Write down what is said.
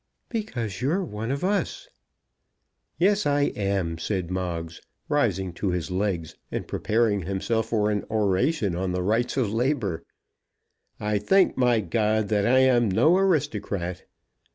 "Because you're one of us." "Yes; I am," said Moggs, rising to his legs and preparing himself for an oration on the rights of labour. "I thank my God that I am no aristocrat."